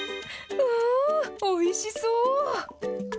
うわー、おいしそう。